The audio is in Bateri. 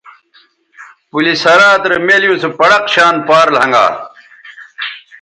پلِ صراط رے مِیلیوں سو پڑق شان پار لھنگا